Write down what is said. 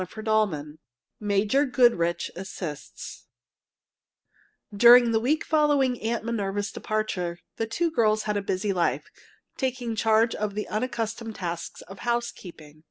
CHAPTER XVII MAJOR GOODRICH ASSISTS During the week following Aunt Minerva's departure, the two girls had a busy life, taking charge of the unaccustomed tasks of housekeeping.